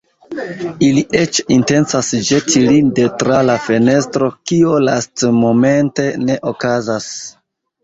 Ili eĉ intencas ĵeti lin de tra la fenestro, kio lastmomente ne okazas.